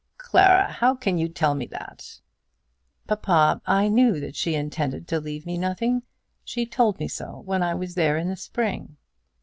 "Clara, how can you tell me that?" "Papa, I knew that she intended to leave me nothing. She told me so when I was there in the spring."